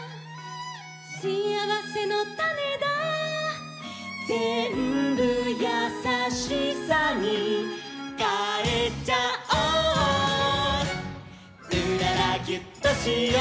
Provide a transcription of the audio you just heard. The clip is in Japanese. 「しあわせのたねだ」「ぜんぶやさしさにかえちゃおう」「うららギュッとしよう」「」